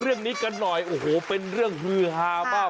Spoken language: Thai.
เรื่องนี้กันหน่อยโอ้โหเป็นเรื่องฮือฮามาก